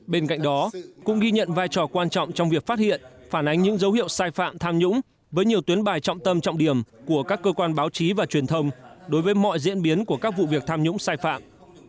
bên cạnh đó cũng ghi nhận vai trò quan trọng trong việc phát hiện phản ánh những dấu hiệu sai phạm tham nhũng với nhiều tuyến bài trọng tâm trọng điểm của các cơ quan báo chí và truyền thông đối với mọi diễn biến của các vụ việc tham nhũng sai phạm